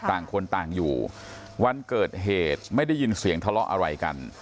ต่างคนต่างอยู่วันเกิดเหตุไม่ได้ยินเสียงทะเลาะอะไรกัน